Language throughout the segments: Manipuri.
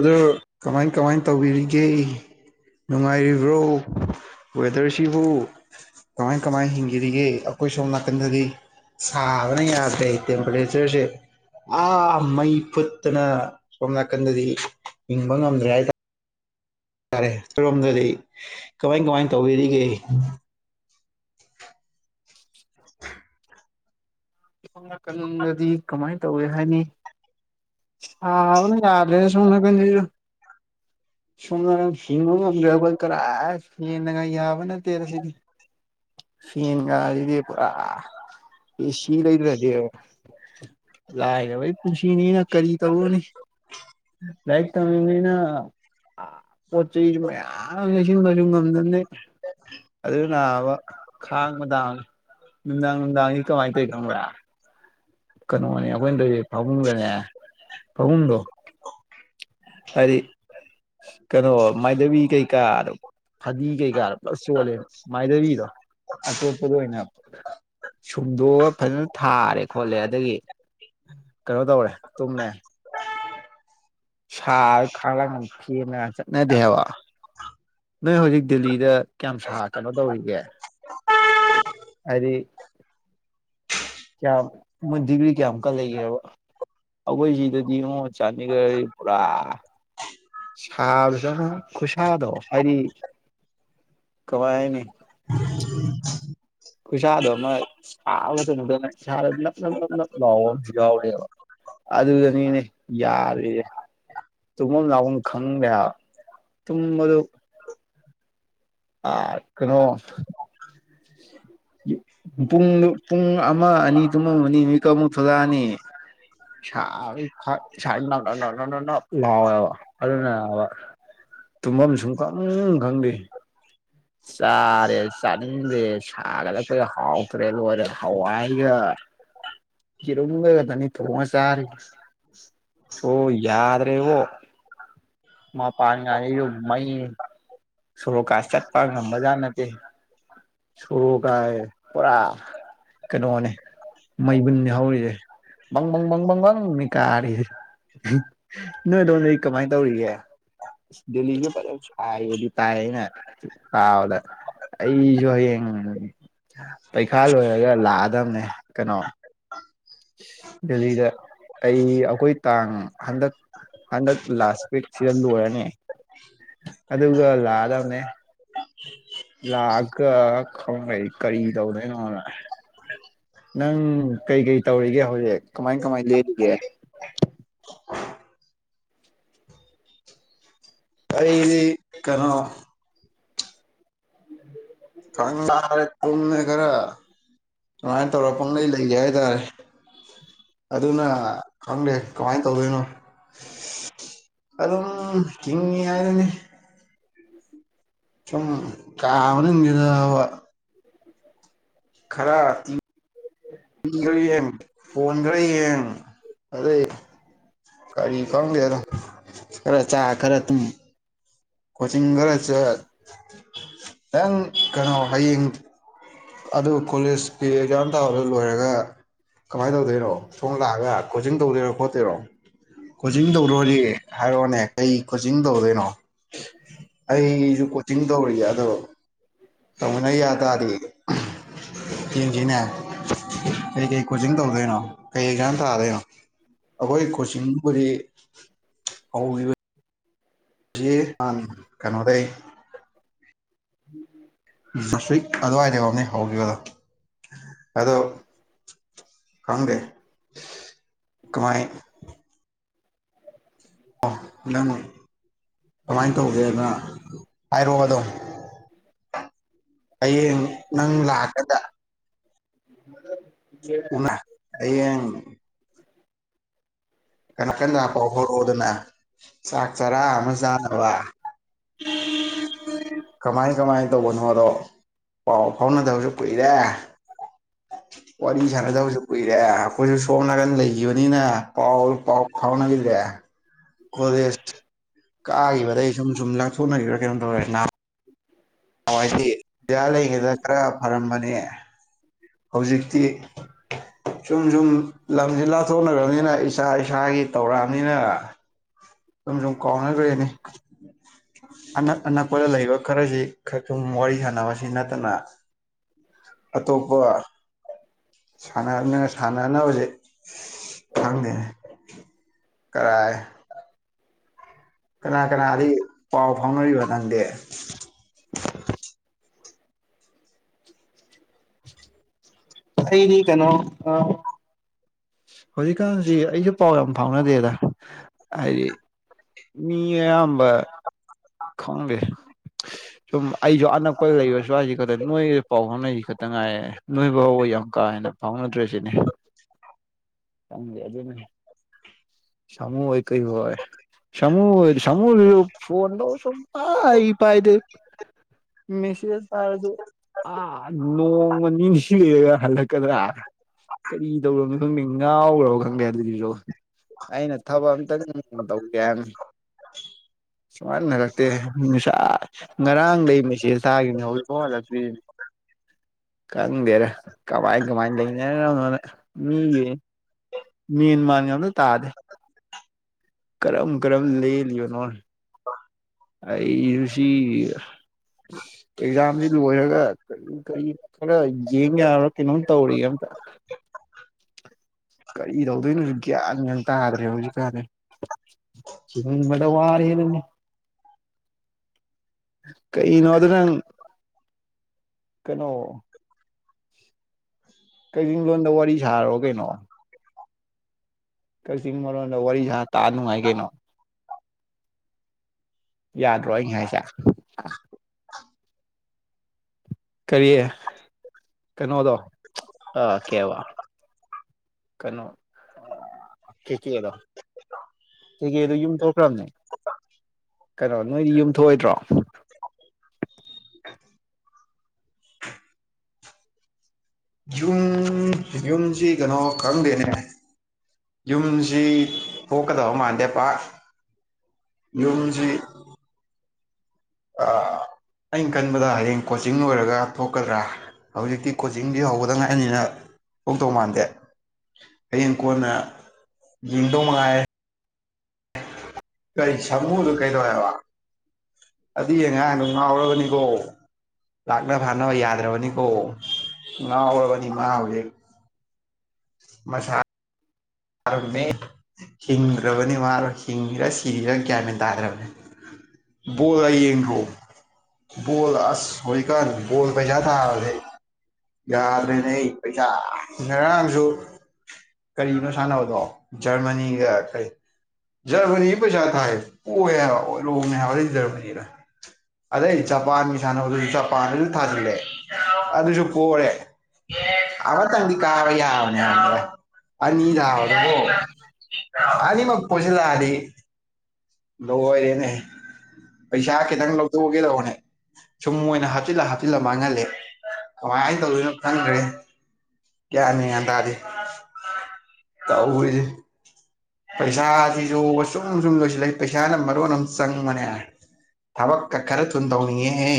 ꯑꯗꯣ ꯀꯃꯥꯏ ꯀꯃꯥꯏ ꯇꯧꯕꯤꯔꯤꯒꯦ ꯅꯨꯡꯉꯥꯏꯔꯤꯕ꯭ꯔꯣ ꯋꯦꯗꯔꯁꯤꯕꯨ ꯀꯃꯥꯏ ꯀꯃꯥꯏꯅ ꯍꯤꯡꯕꯤꯔꯤꯒꯦ ꯑꯩꯈꯣꯏ ꯁꯣꯝ ꯅꯥꯀꯟꯗꯗꯤ ꯁꯥꯕꯅ ꯌꯥꯗ꯭ꯔꯦ ꯇꯦꯝꯄꯔꯦꯆ꯭ꯔꯁꯦ ꯑ ꯃꯩ ꯐꯨꯠꯇꯅ ꯁꯣꯝ ꯅꯥꯀꯟꯗꯗꯤ ꯍꯤꯡꯕ ꯉꯝꯗ꯭ꯔꯦ ꯍꯥꯏꯇꯥꯔꯦ ꯌꯥꯗꯔꯦ ꯑꯗꯨꯔꯣꯝꯗꯗꯤ ꯀꯃꯥꯏ ꯀꯃꯥꯏ ꯇꯧꯕꯤꯔꯤꯒꯦ [inaudible] ꯁꯣꯝ ꯅꯀꯥꯟꯗꯗꯤ ꯀꯃꯥꯏ ꯇꯧꯋꯦ ꯍꯥꯏꯗꯤ ꯁꯥꯕꯅ ꯌꯥꯗ꯭ꯔꯦ ꯁꯣꯝ ꯅꯥꯀꯟꯁꯤꯁꯨ ꯎ [inaudible] ꯁꯣꯝ ꯅꯒꯥꯟ ꯍꯤꯡꯕ ꯉꯝꯗ꯭ꯔꯦ ꯑꯩꯈꯣꯏ ꯀꯔꯥꯏ ꯐꯦꯟꯅꯜ ꯌꯥꯕ ꯅꯠꯇꯦ ꯁꯤꯗꯤ ꯁꯤꯒꯤ ꯉꯥꯁꯤꯗꯤ ꯄꯨꯔꯥ ꯂꯩꯗ꯭ꯔꯗꯤꯕ ꯂꯥꯏꯔꯕꯩ ꯄꯨꯟꯁꯤꯅꯤꯅ ꯀꯔꯤ ꯇꯧꯔꯨꯅꯤ ꯂꯥꯏꯔꯤꯛ ꯇꯝꯃꯤꯕꯅꯤꯅ ꯄꯣꯠ ꯆꯩ ꯃꯌꯥꯝ ꯂꯩꯁꯤꯟꯕꯁꯨ ꯉꯝꯗꯅꯤ ꯑꯗꯨ ꯅꯥꯕ ꯈꯥꯡꯕ ꯇꯥꯕꯅꯤ ꯅꯨꯡꯗꯥꯡ ꯅꯨꯡꯗꯥꯡꯗꯤ ꯀꯃꯥꯏꯅ ꯈꯪꯕ꯭ꯔꯥ ꯀꯩꯅꯣꯅꯦ ꯑꯩꯈꯣꯏꯅ ꯇꯧꯔꯤꯁꯦ ꯄꯥꯕꯨꯡꯗꯅꯦ ꯄꯥꯕꯨꯡꯗꯣ ꯑꯩꯗꯤ ꯀꯩꯅꯣ ꯃꯥꯏꯙꯕꯤ ꯀꯩꯀꯥꯗ ꯐꯗꯤ ꯀꯩꯀꯥꯗ ꯄꯨꯂꯞ ꯆꯣꯜꯂꯦ ꯃꯥꯏꯙꯕꯤꯗꯣ ꯑꯇꯣꯞꯄꯗ ꯑꯣꯏꯅ ꯁꯨꯝꯗꯣꯛꯑꯒ ꯐꯖꯅ ꯊꯥꯔꯦ ꯈꯣꯠꯂꯦ ꯑꯗꯒꯤ ꯀꯩꯅꯣ ꯇꯧꯔꯦ ꯇꯨꯝꯃꯦ ꯁꯥꯗꯅ ꯈꯥꯡ ꯂꯥꯛ ꯉꯥꯝꯗꯦꯅ ꯆꯠꯅꯗꯦ ꯍꯥꯏꯕ ꯅꯣꯏ ꯍꯧꯖꯤꯛ ꯗꯦꯜꯂꯤꯗ ꯀꯌꯥꯝ ꯁꯥ ꯀꯩꯅꯣ ꯇꯧꯔꯤꯒꯦ ꯍꯥꯏꯗꯤ ꯀꯌꯥꯝ ꯗꯤꯒ꯭ꯔꯤ ꯀꯌꯥꯃꯨꯛꯀ ꯂꯩꯒꯦꯕ ꯑꯩꯈꯣꯏ ꯁꯤꯗꯗꯤ ꯑꯃꯨꯛ ꯆꯥꯟꯗꯤꯒꯥꯔ ꯄꯨꯔꯥ ꯁꯥꯕꯁꯤꯃꯨꯛ ꯈꯨꯠꯁꯥꯗꯣ ꯍꯥꯏꯗꯤ ꯀꯃꯥꯏ ꯍꯥꯢꯅꯤ [inaudible] ꯇꯨꯠꯁꯥꯗꯣ ꯑꯃ ꯁꯥꯕ [unintelligible] ꯆꯪ ꯅꯗꯅ ꯏꯁꯥꯗ ꯅꯞ ꯅꯞ ꯅꯞ ꯅꯞ ꯂꯥꯎꯕ ꯑꯃꯁꯨ ꯌꯥꯎꯔꯦꯕ ꯑꯗꯨꯗꯅꯤꯅꯦ ꯌꯥꯗꯔꯤꯁꯦ ꯇꯨꯝꯐꯝ ꯂꯥꯛꯐꯝ ꯈꯪꯗꯦ ꯍꯥꯢꯕ ꯇꯨꯝꯕꯗꯨ ꯑꯥ ꯀꯩꯅꯣ [inaudible] ꯄꯨꯡ ꯄꯨꯡ ꯑꯃ ꯑꯅꯤ ꯇꯨꯝꯃꯝꯃꯅꯤ ꯃꯤꯀꯥꯞ ꯑꯃꯨꯛ ꯊꯣꯛꯂꯛꯑꯅꯤ ꯁꯥꯕꯁꯤ ꯢꯁꯥꯁꯦ ꯅꯥꯞ ꯅꯥꯞ ꯂꯧꯋꯦꯕ ꯇꯨꯝꯐꯝ ꯁꯨꯡꯈꯪ ꯈꯪꯗꯦ ꯆꯥꯔꯦ ꯆꯥꯅꯤꯡꯗꯦ ꯁꯥꯒꯠꯂꯛꯕꯒ ꯍꯥꯎꯇ꯭ꯔꯦ ꯂꯣꯏꯔꯦ ꯍꯋꯥꯏꯒ ꯑꯦꯔꯨꯝ ꯈꯥꯛꯇꯅꯦ ꯊꯣꯡꯉ ꯆꯥꯔꯤꯁꯦ ꯁꯣ ꯌꯥꯗ꯭ꯔꯦꯕꯣ ꯃꯄꯥꯟ ꯉꯥꯏ ꯃꯩ ꯁꯣꯔꯣꯛꯀꯥꯏꯁꯤ ꯆꯠꯄ ꯉꯝꯕꯖꯥꯠ ꯅꯠꯇꯦ ꯁꯣꯔꯣꯛ ꯀꯥꯏ ꯄꯨꯔꯥ ꯀꯩꯅꯣꯅꯦ ꯃꯩꯕꯨꯟꯅꯤ ꯍꯧꯔꯤꯁꯦ ꯕꯪꯕꯪꯕꯪꯕꯪꯅꯦ ꯀꯥꯔꯤꯁꯦ ꯅꯣꯏ ꯑꯗꯣꯝꯗꯗꯤ ꯀꯃꯥꯏ ꯇꯧꯔꯤꯒꯦ ꯗꯦꯜꯂꯤꯖꯨ ꯐꯖꯅ ꯁꯥꯔꯦꯍꯦ [unintelligible] ꯑꯩꯖꯨ ꯍꯥꯌꯦꯡ ꯄꯩꯈꯥ ꯂꯣꯏꯔꯒ ꯂꯥꯛꯑꯗꯝꯅꯦ ꯀꯩꯅꯣ ꯗꯦꯜꯂꯤꯗ ꯑꯩ ꯑꯩꯈꯣꯏ ꯇꯥꯡ ꯍꯟꯗꯛ ꯍꯥꯟꯗꯛ ꯂꯥꯁ ꯁꯤꯗ ꯂꯣꯏꯔꯅꯤ ꯑꯗꯨꯒ ꯂꯥꯛꯑꯗꯧꯅꯦ ꯂꯥꯛꯑꯒ ꯈꯪꯗꯦ ꯑꯩ ꯀꯔꯤ ꯇꯧꯗꯣꯏꯅꯣꯅ ꯅꯪ ꯀꯩꯀꯩ ꯇꯧꯔꯤꯒꯦ ꯍꯧꯖꯤꯛ ꯀꯃꯥꯏ ꯀꯃꯥꯏ ꯂꯦꯜꯂꯤꯒꯦ ꯑꯩꯗꯤ ꯀꯥꯅꯣ ꯥ [unintelligible] ꯇꯨꯝꯃꯦ ꯈꯔꯥ ꯁꯨꯃꯥꯏ ꯇꯧꯔ ꯄꯨꯡꯂꯩ ꯂꯩꯔꯦ ꯍꯥꯏꯇꯥꯔꯦ ꯑꯗꯨꯅ ꯈꯪꯗꯦ ꯀꯃꯥꯏ ꯇꯧꯗꯣꯏꯅꯣ ꯑꯗꯨꯝ ꯍꯤꯡꯉꯤ ꯍꯥꯏꯗꯨꯅꯤ ꯁꯨꯝ ꯀꯥ ꯃꯅꯨꯡꯖꯤꯗ ꯑꯕ ꯈꯔꯥ ꯏꯡ [inaudible] [unintelligible] ꯌꯦꯡ ꯐꯣꯟ ꯈꯔ ꯌꯦꯡ ꯑꯗꯩ ꯀꯔꯤ ꯈꯪꯗꯦꯗ ꯈꯔ ꯆꯥ ꯈꯔ ꯇꯨꯝ ꯀꯣꯆꯤꯡ ꯈꯔ ꯆꯠ ꯅꯪ ꯀꯩꯅꯣ ꯍꯌꯦꯡ ꯑꯗꯨ ꯀꯣꯂꯦꯖꯀꯤ ꯑꯦꯛꯖꯥꯝ ꯊꯥꯕ ꯂꯣꯏꯔꯒ ꯀꯃꯥꯏ ꯇꯧꯗꯣꯏꯅꯣ ꯊꯣꯅ ꯂꯥꯛꯑꯒ ꯀꯣꯆꯤꯡ ꯇꯧꯗꯣꯏꯔꯣ ꯈꯣꯠꯇꯣꯏꯔꯣ ꯀꯣꯆꯤꯡ ꯇꯧꯗꯔꯗꯤ ꯍꯥꯏꯔꯛꯑꯣꯅꯦ ꯀꯩ ꯀꯣꯆꯤꯡ ꯇꯧꯗꯣꯏꯅꯣ ꯑꯩꯖꯨ ꯀꯣꯆꯤꯡ ꯇꯧꯔꯤ ꯑꯗꯣ ꯇꯧꯃꯤꯟꯅ ꯌꯥ ꯇꯥꯗꯤ ꯌꯦꯡꯖꯤꯅꯦ ꯀꯩꯀꯩ ꯀꯣꯆꯤꯡ ꯇꯧꯗꯣꯏꯅꯣ ꯀꯩ ꯑꯦꯛꯖꯥꯝ ꯊꯥꯗꯣꯏꯅꯣ ꯑꯩꯈꯣꯏ ꯀꯣꯆꯤꯡꯕꯨꯗꯤ ꯍꯧꯈꯤꯕ ꯖꯤ ꯅꯥꯟ ꯀꯩꯅꯣꯗꯩ [inaudible] [unintelligible] ꯑꯗꯨꯋꯥꯏꯗꯩ ꯑꯣꯏꯅꯤ ꯍꯧꯈꯤꯕꯗꯣ ꯑꯗꯣ ꯈꯪꯗꯦ ꯀꯃꯥꯏ ꯅꯪ ꯀꯃꯥꯏ ꯇꯧꯒꯦꯅ ꯍꯥꯏꯔꯣ ꯑꯗꯣ ꯍꯌꯦꯡ ꯅꯪ ꯂꯥꯛꯑꯀꯥꯟꯗ [inaudible] [unintelligible] ꯍꯥꯌꯦꯡ ꯀꯟꯅ ꯀꯟꯅꯥ ꯄꯥꯎ ꯍꯣꯔꯣꯗꯅ ꯆꯥꯛ ꯆꯔꯥ ꯑꯃ ꯆꯥꯅꯕ ꯀꯃꯥꯏ ꯀꯃꯥꯏ ꯇꯧꯕꯅꯣꯗꯣ ꯄꯥꯎ ꯐꯥꯎꯅꯗꯕꯖꯨ ꯀꯨꯏꯔꯦ ꯋꯥꯔꯤ ꯁꯥꯟꯅꯗꯕꯁꯨ ꯀꯨꯏꯔꯦ ꯑꯩꯈꯣꯏꯖꯨ ꯁꯣꯝ ꯅꯥꯀꯟ ꯂꯩꯒꯤꯕꯅꯤꯅ ꯄꯥꯎ ꯄꯥꯎ ꯐꯥꯎꯅꯒꯤꯗ꯭ꯔꯦ ꯀꯣꯂꯦꯖ ꯀꯥꯈꯤꯕꯗꯩ ꯁꯨꯝ ꯁꯨꯝ ꯂꯥꯞꯊꯣꯛꯅꯒꯤꯕ꯭ꯔꯥ ꯀꯩꯅꯣꯝ ꯇꯧꯔꯦꯅꯥ ꯅꯥꯕ ꯅꯋꯥꯏꯗꯤ ꯑꯣꯖꯥ ꯂꯩꯉꯩꯗ ꯈꯔ ꯐꯔꯝꯕꯅꯦ ꯍꯧꯖꯤꯛꯇꯤ ꯁꯨꯝ ꯁꯨꯝ ꯂꯝꯁꯦ ꯂꯥꯞꯊꯣꯛꯅꯒ꯭ꯔꯥꯕꯅꯤꯅ ꯏꯁꯥ ꯏꯁꯥꯒꯤ ꯇꯧꯔꯛꯑꯕꯅꯤꯅ ꯁꯨꯝ ꯁꯨꯝ ꯀꯥꯎꯅꯒ꯭ꯔꯦꯅꯦ ꯑꯅꯛ ꯑꯅꯛꯄꯗ ꯂꯩꯕ ꯈꯔꯖꯤ ꯈꯔ ꯁꯨꯝ ꯋꯥꯔꯤ ꯁꯥꯟꯅꯕꯁꯤ ꯅꯠꯇꯅ ꯑꯇꯣꯞꯄ ꯁꯥꯟꯅ ꯁꯥꯟꯅꯅꯕꯥꯖꯦ ꯈꯪꯗꯦꯅꯦ ꯀꯔꯥꯏ ꯀꯅꯥ ꯀꯅꯥꯗꯤ ꯄꯥꯎ ꯐꯥꯎꯅꯔꯤꯕ ꯅꯪꯗꯤ [inaudible] ꯑꯩꯗꯤ ꯀꯩꯅꯣ ꯑ ꯍꯧꯖꯤꯛꯀꯥꯟꯁꯤ ꯑꯩꯁꯨ ꯄꯥꯎ ꯌꯥꯝ ꯐꯥꯎꯅꯗꯦꯗ ꯍꯥꯏꯗꯤ ꯃꯤ ꯑꯌꯥꯝꯕ ꯈꯪꯗꯦ [inaudible] ꯁꯨꯝ ꯑꯩꯁꯨ ꯑꯅꯛꯄ ꯂꯩꯕ ꯁ꯭ꯋꯥꯏꯁꯤ ꯈꯛꯇꯪ ꯅꯣꯏ ꯄꯥꯎ ꯐꯥꯎꯅꯔꯤꯁꯤ ꯈꯛꯇ ꯉꯥꯏꯔꯦ ꯅꯣꯏ ꯐꯥꯎꯕ ꯌꯥꯝ ꯀꯥ ꯍꯦꯟꯅ ꯐꯥꯎꯅꯗ꯭ꯔꯤꯁꯤꯅꯤ ꯈꯪꯗꯦ ꯑꯗꯨꯅꯤ ꯁꯃꯨ ꯍꯣꯏ ꯀꯩ ꯍꯣꯏ ꯁꯃꯨ ꯁꯃꯨꯗꯨ ꯐꯣꯟ ꯇꯧꯕ ꯁꯨꯡꯄꯥꯏ ꯄꯥꯏꯗꯦ ꯃꯦꯁꯦꯁ ꯊꯥꯔꯁꯨ ꯑ ꯅꯣꯡꯃ ꯅꯤꯅꯤ [unintelligible] ꯂꯩꯩꯔꯒ ꯍꯜꯂꯛꯀꯗ꯭ꯔꯥ ꯀꯔꯤ ꯇꯧꯒ꯭ꯔꯕꯅꯣ ꯈꯪꯗꯦ ꯉꯥꯎꯈ꯭ꯔꯕ ꯈꯪꯗꯦ ꯑꯗꯨꯒꯤꯁꯨ ꯑꯩꯅ ꯊꯕꯛ ꯑꯝꯇꯪ ꯇꯧꯒꯦ ꯍꯥꯏꯕꯅꯤ ꯁꯨꯝ ꯍꯜ ꯍꯜꯂꯛꯇꯦ ꯅꯨꯡꯁꯥ ꯉꯔꯥꯡꯗꯩꯩ ꯃꯦꯁꯦꯁ ꯇꯥꯈꯤꯕꯅꯤ ꯍꯧꯖꯤꯛꯐꯥꯎ ꯍꯜꯂꯛꯇ꯭ꯔꯤꯁꯤꯅꯤ ꯈꯪꯗꯦꯗ ꯀꯃꯥꯏ ꯀꯃꯥꯏ ꯂꯩꯅꯒ꯭ꯔꯕꯅꯣꯅ ꯃꯤꯉꯩ ꯃꯦꯟ ꯃꯥꯟꯒ ꯑꯃꯇ ꯇꯥꯗꯦ ꯀꯔꯝ ꯀꯔꯝ ꯂꯦꯜꯂꯤꯕꯅꯣ ꯑꯩꯁꯨ ꯁꯤꯒꯤ ꯑꯦꯛꯖꯥꯝꯁꯤ ꯂꯣꯏꯔꯒ ꯀꯔꯤ ꯀꯔꯤ ꯈꯔ ꯌꯦꯡ ꯌꯥꯕ ꯀꯩꯅꯣꯝ ꯇꯧꯔꯤꯒꯦ ꯑꯝꯇ [inaudible] ꯀꯔꯤ ꯇꯧꯗꯣꯏꯅꯣꯁꯨ ꯒ꯭ꯌꯥꯟ ꯒ ꯇꯥꯗ꯭ꯔꯦ ꯍꯧꯖꯤꯛꯀꯥꯟꯁꯦ ꯍꯤꯡꯕꯗ ꯋꯥꯔꯦꯁꯤꯅꯤꯅꯦ ꯀꯩꯅꯣꯗ ꯅꯪ ꯀꯩꯅꯣ [unintelligible] ꯋꯥꯔꯤ ꯁꯥꯔꯕ꯭ꯔꯥ ꯀꯩꯅꯣ ꯀꯛꯆꯤꯡ ꯃꯔꯣꯟꯗ ꯋꯥꯔꯤ ꯁꯥ ꯇꯥ ꯅꯨꯡꯉꯥꯏ ꯀꯩꯅꯣ ꯌꯥꯗ꯭ꯔꯣ ꯑꯩꯅ ꯍꯥꯏꯁꯦ ꯀꯔꯤ ꯀꯩꯅꯣꯗꯣ ꯑꯥ ꯀꯩꯕ ꯀꯩꯅꯣ ꯑ ꯀꯦꯀꯦꯗꯣ ꯀꯦꯀꯦꯗꯣ ꯌꯨꯝ ꯊꯣꯛꯈ꯭ꯔꯝꯅꯦ ꯀꯩꯅꯣ ꯅꯣꯏꯗꯤ ꯌꯨꯝ ꯊꯣꯛꯑꯣꯏꯗ꯭ꯔꯣ ꯌꯨꯝ ꯌꯨꯝꯁꯤ ꯀꯩꯅꯣ ꯈꯪꯗꯦꯅꯦ ꯌꯨꯝꯁꯤ ꯊꯣꯛꯀꯗꯕ ꯃꯥꯟꯗꯦ ꯄꯥꯛ ꯌꯨꯝꯁꯤ ꯑꯥ ꯑꯩꯅ ꯈꯟꯕꯗ ꯍꯌꯦꯡ ꯀꯣꯆꯤꯡ ꯂꯣꯏꯔꯒ ꯊꯣꯛꯀꯗ꯭ꯔꯥ ꯍꯧꯖꯤꯛꯇꯤ ꯀꯣꯆꯤꯡꯗꯤ ꯍꯧꯕꯗ ꯉꯥꯏꯃꯤꯅ ꯊꯣꯛꯇꯧ ꯃꯥꯟꯗꯦ ꯍꯌꯦꯡ ꯀꯣꯟꯅ ꯌꯦꯡꯗꯧ ꯃꯉꯥꯏꯔꯦ ꯀꯔꯤ ꯁꯥꯃꯨꯗꯣ ꯀꯩꯗꯧꯋꯦ ꯍꯥꯏꯕ ꯑꯗꯨ ꯑꯉꯥꯡꯗꯣ ꯉꯥꯎꯔꯕꯅꯤꯀꯣ ꯂꯥꯛꯅ ꯐꯥꯅꯕ ꯌꯥꯗ꯭ꯔꯕꯅꯤꯀꯣ ꯉꯥꯎꯔꯕꯅꯤ ꯃꯥ ꯍꯧꯖꯤꯛ ꯃꯁꯥ [unintelligible] ꯍꯤꯡꯗ꯭ꯔꯕꯅꯤ ꯃꯥꯗꯣ ꯍꯤꯡꯉꯤꯔꯥ ꯁꯤꯔꯤꯔ ꯒ꯭ꯌꯥꯟ ꯃꯦꯟ ꯇꯥꯗ꯭ꯔꯕꯅꯦ ꯕꯣꯜꯒ ꯌꯦꯡꯗ꯭ꯔꯣ ꯕꯣꯜ ꯑꯁ ꯍꯧꯖꯤꯛꯀꯥꯟ ꯕꯣꯜ ꯄꯩꯁꯥ ꯊꯥꯕꯁꯦ ꯌꯥꯗ꯭ꯔꯦꯅꯦꯍꯦ ꯄꯩꯁꯥ ꯑ ꯉꯔꯥꯡꯁꯨ ꯀꯔꯤꯅꯣ ꯁꯥꯟꯅꯕꯗꯣ ꯖꯔꯃꯅꯤꯒ ꯀꯔꯤ ꯖꯔꯃꯔꯅꯤꯗ ꯄꯩꯁꯥ ꯊꯥꯏ ꯄꯣꯏ ꯍꯥꯏꯕ [unintelligible] [unintelligible] ꯑꯗꯩ ꯖꯄꯥꯟꯒ ꯌꯥꯟꯅꯕꯗꯁꯨ [unintelligible] ꯄꯥꯟꯗꯨꯁꯨ ꯊꯥꯖꯤꯜꯂꯦ ꯑꯗꯨꯁꯨ ꯀꯣꯔꯦ ꯑꯃꯇꯪꯗꯤ ꯀꯥ ꯀ ꯌꯥꯅꯦ ꯍꯥꯏ ꯑꯅꯤ ꯊ ꯑꯣꯏꯔꯣ ꯑꯅꯤꯃꯛ ꯄ‌ꯣꯖꯤꯜꯂꯛꯑꯗꯤ ꯂ ꯑꯣꯏꯔꯦꯅꯦ ꯄꯩꯁꯥ ꯈꯤꯇꯪ ꯂꯧꯊꯣꯛꯑꯒꯦꯗꯧꯕꯅꯦ ꯁꯨꯝ ꯑꯣꯏꯅ ꯍꯥꯞꯆꯤꯜꯂ ꯍꯥꯆ ꯇꯤꯜꯂ ꯃꯥꯡꯍꯜꯂꯦ ꯀꯃꯥꯏꯅꯅ ꯇꯧꯗꯣꯏꯅꯣ ꯈꯪꯗ꯭ꯔꯦ ꯀꯌꯥꯅꯤ ꯉꯟ ꯇꯔꯗꯤ ꯇꯧꯔꯤꯁꯦ ꯄꯩꯁꯥꯁꯤꯁꯨ ꯁꯨꯡ ꯁꯨꯡꯗꯣꯏꯁꯨ ꯂꯩ ꯄꯩꯁꯥꯅ ꯃꯔꯣꯟ ꯑꯃꯝ ꯆꯪꯕꯅꯦ ꯊꯕꯛ ꯀ ꯈꯔ ꯊꯟꯗꯧꯅꯤꯌꯦ ꯍ‌ꯦ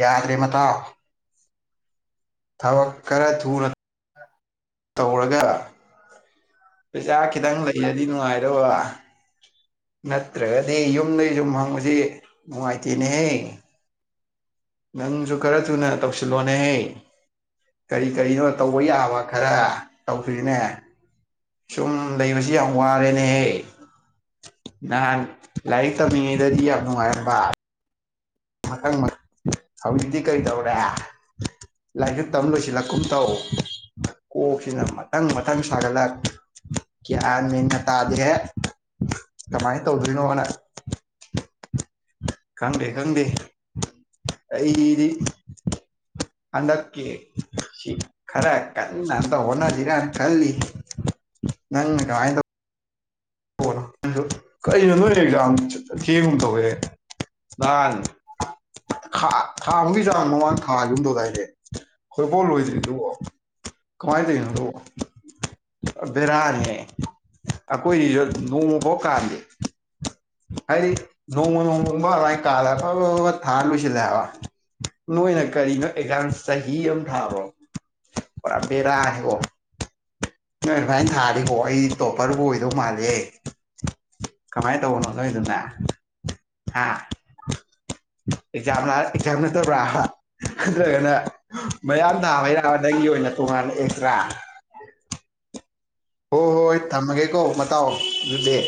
ꯌꯥꯗ꯭ꯔꯦ ꯃꯇꯥꯎ ꯊꯕꯛ ꯈꯔ ꯊꯨꯅ [unintelligible] ꯇꯧꯔꯒ ꯄꯩꯁꯥ ꯈꯤꯇꯪ ꯂꯩꯔꯗꯤ ꯅꯨꯡꯉꯥꯏꯗꯧꯕ ꯅꯠꯇ꯭ꯔꯒꯗꯤ ꯌꯨꯝꯗꯩ ꯁꯨꯝ ꯍꯪꯕꯁꯤ ꯅꯨꯡꯉꯥꯏꯇꯦꯅꯦꯍꯦ ꯅꯪꯁꯨ ꯈꯔ ꯊꯨꯅ ꯇꯧꯁꯤꯜꯂꯣꯅꯦꯍ‌ꯦ ꯀꯔꯤ ꯀꯔꯤꯅꯣ ꯇꯧꯕ ꯌꯥꯕ ꯈꯔ ꯇꯧꯁꯤꯅꯦ ꯁꯨꯝ ꯂꯩꯕꯁꯤ ꯌꯥꯝ ꯋꯥꯔꯦꯅꯦꯍꯦ ꯅꯍꯥꯟ ꯂꯥꯏꯔꯤꯛ ꯇꯝꯃꯤꯉꯩꯗꯗꯤ ꯌꯥꯝ ꯅꯨꯡꯉꯥꯏꯔꯝꯕ ꯃꯊꯪ ꯍꯧꯖꯤꯛꯇꯤ ꯀꯔꯤ ꯇꯧꯔꯦ ꯂꯥꯏꯔꯤꯛ ꯇꯝ ꯂꯣꯏꯁꯤꯜꯂꯛꯀꯨꯝ ꯇꯧ ꯀꯣꯛꯁꯤꯅ ꯃꯊꯪ ꯃꯊꯪ ꯁꯥꯒꯠꯂꯛ ꯒ꯭ꯌꯥꯟ ꯃ‌ꯦꯟꯒ ꯇꯥꯗ‌ꯦꯍꯦ ꯀꯃꯥꯏꯅ ꯇꯧꯗꯣꯏꯅꯣꯅ ꯈꯪꯗꯦ ꯈꯪꯗ‌ꯦ ꯑꯩꯗꯤ ꯍꯟꯗꯛꯀꯤ ꯁꯤ ꯈꯔ ꯀꯟꯅ ꯍꯅꯗꯔ ꯀꯜꯂꯤ ꯅꯪꯅ ꯀꯃꯥꯏ ꯇꯧ ꯀ ꯀꯩꯅꯣ ꯅꯣꯏ ꯑꯦꯛꯖꯥꯝ ꯊꯦꯡꯃꯨꯛ ꯇꯧꯋꯦ [unintelligible] ꯊꯥ ꯑꯃꯨꯛꯀꯤ ꯆꯥꯡ ꯃꯃꯥꯡ ꯊꯥꯒꯨꯝ ꯇꯧꯗꯥꯏꯅꯦ ꯍꯣꯏꯐꯥꯎ ꯂꯣꯏꯗ꯭ꯔꯤꯗꯨꯕꯣ ꯀꯃꯥꯏꯟ ꯇꯧꯔꯤꯅ‌ꯣ ꯑꯗꯨꯕ‌ꯣ ꯕꯤꯔꯅꯤꯍ‌ꯦ ꯑꯩꯈꯣꯏꯔꯤꯁꯨ ꯅꯣꯡꯃꯐꯥꯎ ꯀꯥꯟꯗꯦ ꯍꯥꯏꯗꯤ ꯅꯣꯡ ꯅꯣꯡꯣꯡ ꯐ ꯑꯗꯨ ꯀꯥꯜꯂ ꯐꯕ ꯐꯕ ꯊꯥ ꯂꯨꯁꯤꯜꯂꯦ ꯍꯥꯏꯕ ꯅꯣꯏꯅ ꯀꯔꯤꯅꯣ ꯑꯦꯛꯖꯥꯡ ꯆꯍꯤ ꯑꯃ ꯊꯥꯕ꯭ꯔ‌ꯣ ꯄꯨꯔꯥ ꯕꯦꯔꯥꯅꯤꯀ‌ꯣ ꯅꯣꯏ ꯑꯗꯨꯃꯥꯏꯅ ꯊꯥꯔꯤꯀꯣ ꯑꯩ ꯇꯣꯄꯔꯕꯨ ꯑꯣꯏꯗꯧ ꯃꯥꯂꯦ ꯀꯃꯥꯏꯅ ꯇꯧꯕꯅꯣ ꯅꯣꯏꯗꯨꯅ ꯍꯥ ꯑꯦꯛꯖꯥꯝꯅ ꯑꯦꯛꯖꯝ ꯅꯇꯕ꯭ꯔꯥ ꯅꯠꯇ꯭ꯔꯒꯅ ꯃꯌꯥꯝ ꯊꯥꯕ ꯍꯩꯔ ꯅꯪꯒꯤ ꯑꯣꯏꯅ ꯇꯣꯉꯥꯟꯅ ꯑꯦꯛꯁꯇ꯭ꯔꯥ ꯍꯣꯏ ꯍꯣꯏ ꯍꯣꯏ ꯊꯝꯃꯒꯦꯀꯣ ꯃꯇꯥꯎ ꯑꯗꯨꯗꯤ